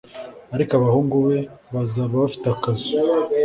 Ariko abahungu be bazaba bafite akazu